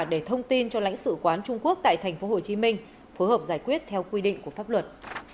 để thông tin cho lãnh sự quán trung quốc tại tp hcm phối hợp giải quyết theo quy định của pháp luật